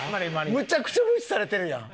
むちゃくちゃ無視されてるやん。